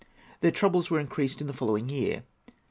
Their troubles were increased in the following year.